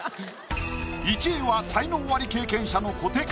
１位は才能アリ経験者の小手か？